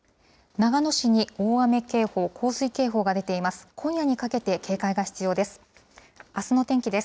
長野市に大雨警報、洪水警報が出ています。